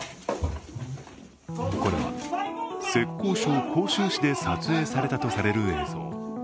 これは、浙江省杭州市で撮影されたとされる映像。